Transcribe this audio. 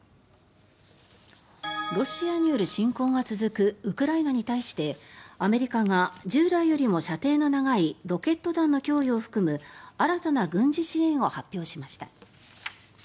ロシアによる侵攻が続くウクライナに対してアメリカが従来よりも射程の長いロケット弾の供与を含む新たな軍事支援を発表しました。